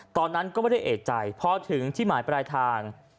ตอนนั้นก็ไม่ได้เอกใจพอถึงที่หมายปลายทาง